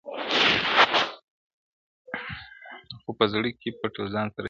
خو په زړه کي پټ له ځان سره ژړېږم -